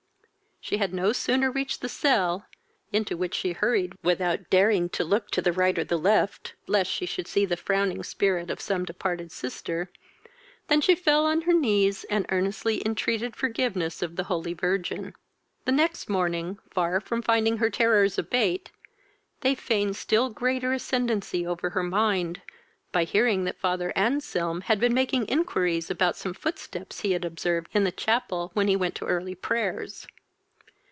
She had no sooner reached the cell, (into which she hurried without daring to look to the right or to the left, lest she should see the frowning spirit of some departed sister,) than she fell on her knees, and earnestly intreated forgiveness of the holy virgin. The next morning, far from finding her terrors abate, they fained still greater ascendancy over her mind, by hearing that father Anselm had been making inquiries about some footsteps he had observed in the chapel when he went to early prayers.